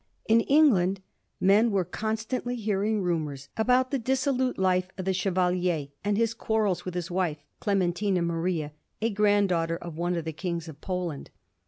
In Eng land men were constantly hearing rumours about the dissolute life of the Chevalier, and his quarrels with his wife Clementina Maria, a granddaughter of one of the Kings of Poland.